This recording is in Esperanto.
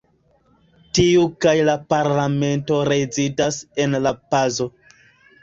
Tiu kaj la parlamento rezidas en La-Pazo.